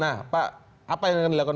nah pak apa yang akan dilakukan